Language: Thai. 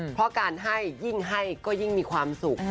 เพราะการให้ยิ่งให้ก็ยิ่งมีความสุข